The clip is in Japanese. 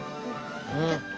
うん。